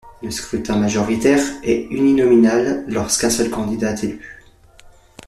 Le scrutin majoritaire est uninominal lorsqu'un seul candidat est élu.